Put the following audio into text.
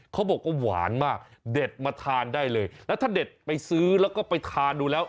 เขาบอกว่าหวานมากเด็ดมาทานได้เลยแล้วถ้าเด็ดไปซื้อแล้วก็ไปทานดูแล้ว